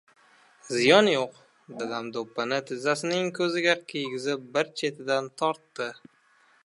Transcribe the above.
— Ziyoni yo‘q! — dadam do‘ppini tizzasining ko‘ziga kiygizib, bir chetidan tortdi.